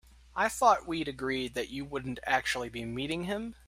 I thought we'd agreed that you wouldn't actually be meeting him?